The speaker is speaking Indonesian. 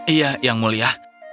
iya yang mulia